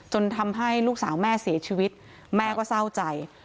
ทำให้ลูกสาวแม่เสียชีวิตแม่ก็เศร้าใจ